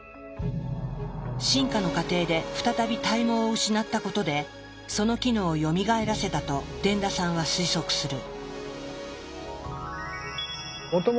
進化の過程で再び体毛を失ったことでその機能をよみがえらせたと傳田さんは推測する。